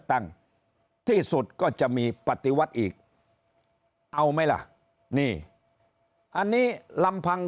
ที่สุดก็จะมีปฏิวัติอีกเอาไหมล่ะนี่อันนี้ลำพัง